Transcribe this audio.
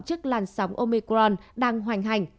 trước làn sóng omicron đang hoành hành